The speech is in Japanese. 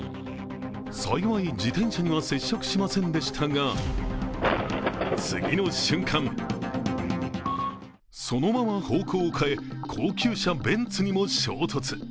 幸い自転車には接触しませんでしたが、次の瞬間そのまま方向を変え、高級車ベンツにも衝突。